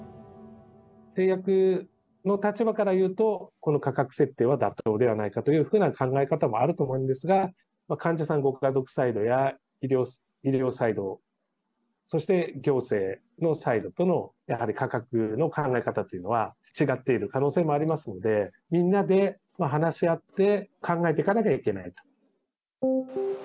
製薬の立場からいうと、この価格設定は妥当ではないかというふうな考え方もあると思うんですが、患者さん、ご家族サイドや医療サイド、そして、行政のサイドとの、やはり価格の考え方っていうのは違っている可能性もありますので、みんなで話し合って考えていかなきゃいけないと。